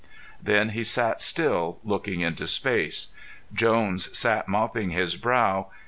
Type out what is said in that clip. Then he sat still, looking into space. Jones sat mopping his brow.